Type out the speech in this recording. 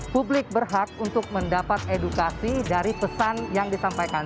publik berhak untuk mendapat edukasi dari pesan yang disampaikan